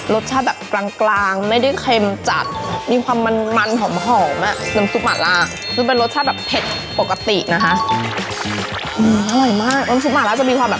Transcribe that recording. รสชาติแบบกลางไม่ได้เค็มจัดมีความมันหอมอะน้ำซุปหมาล่า